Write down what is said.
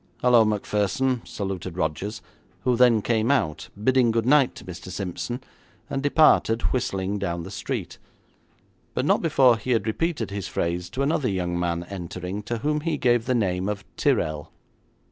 'Hallo, Macpherson,' saluted Rogers, who then came out, bidding good night to Mr. Simpson, and departed whistling down the street, but not before he had repeated his phrase to another young man entering, to whom he gave the name of Tyrrel.